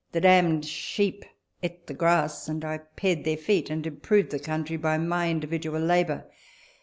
The damned sheep eat the grass, and I pared their feet, and improved the country by my individual labour.